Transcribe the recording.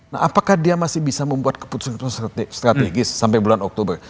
nah apakah dia masih bisa membuat keputusan keputusan strategis sampai bulan oktober